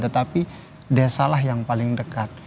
tetapi desalah yang paling dekat